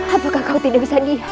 apakah kau tidak bisa diam